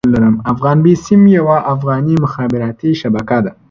افغان بيسيم يوه افغاني مخابراتي شبکه ده.